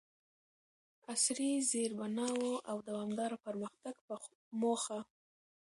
عصري زیربناوو او دوامداره پرمختګ په موخه،